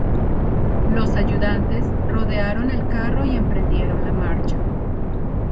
Los ayudantes rodearon el carro y emprendieron la marcha.